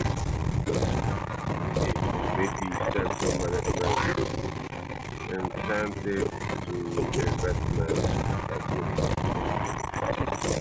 Mitie stands for Management Incentive Through Investment Equity.